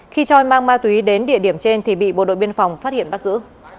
khi choi mang ma túy đến địa điểm trên thì bị bộ đội biên phòng phát hiện bắt giữ